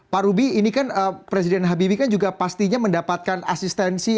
pak rubi ini kan presiden habibie kan juga pastinya mendapatkan asistensi